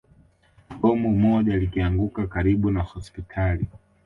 Bomu moja likianguka karibu na hospitali